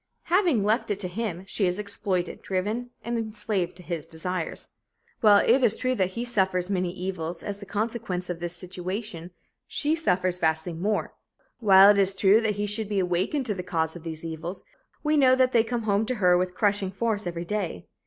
Having left it to him, she is exploited, driven and enslaved to his desires. While it is true that he suffers many evils as the consequence of this situation, she suffers vastly more. While it is true that he should be awakened to the cause of these evils, we know that they come home to her with crushing force every day.